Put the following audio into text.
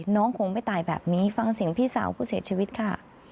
น้องคงไม่ตายแบบนี้ฟังเสียงพี่สาวผู้เสียชีวิตค่ะ